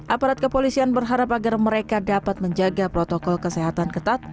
aparat kepolisian berharap agar mereka dapat menjaga protokol kesehatan ketat